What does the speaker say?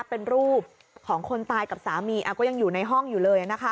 เป็นรูปของคนตายกับสามีก็ยังอยู่ในห้องอยู่เลยนะคะ